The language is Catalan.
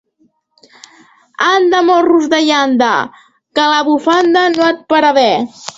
Anda, morros de llanda, que la bufanda no et para bé.